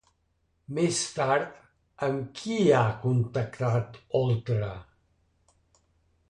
Més tard, amb qui ha contactat Oltra?